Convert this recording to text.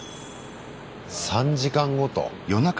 ３時間ごと。